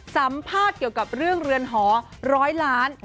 สัมภาษณ์เกี่ยวกับเรื่องเรือนหอร้อยล้าน